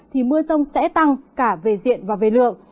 thì mưa rông sẽ tăng cả về diện và về lượng